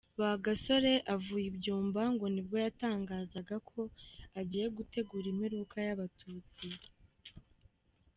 Bagosora avuye i Byumba ngo nibwo yatangazaga ko agiye gutegura imperuka y’abatutsi.